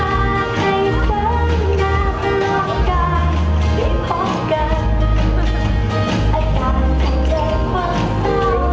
วันนี้ก็ไม่มีสุยามที่ตาไปที่ใกล้